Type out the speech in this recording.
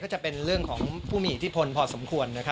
ก็จะเป็นเรื่องของผู้มีอิทธิพลพอสมควร